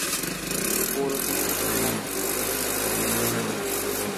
পৌরসভাটি শুধুমাত্র কেপেলেন শহর নিয়ে গঠিত।